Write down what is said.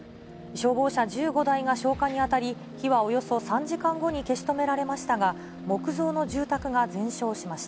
消防車１５台が消火に当たり、火はおよそ３時間後に消し止められましたが、木造の住宅が全焼しました。